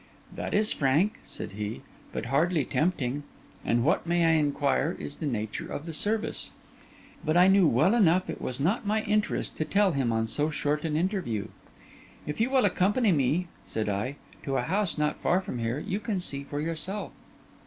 'That is frank,' said he; 'but hardly tempting. And what, may I inquire, is the nature of the service?' But I knew well enough it was not my interest to tell him on so short an interview. 'If you will accompany me,' said I, 'to a house not far from here, you can see for yourself.